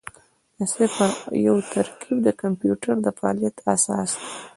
د صفر او یو ترکیب د کمپیوټر د فعالیت اساس دی.